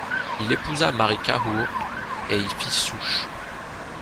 Il y épousa Marie Cahour et y fit souche.